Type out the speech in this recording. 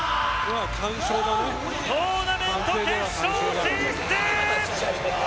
トーナメント決勝進出！